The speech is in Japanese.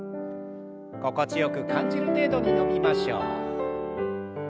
心地よく感じる程度に伸びましょう。